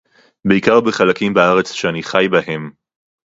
בעיקר בחלקים בארץ שאני חי בהם